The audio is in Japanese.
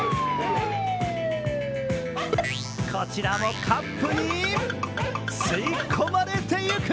こちらもカップに吸い込まれていく。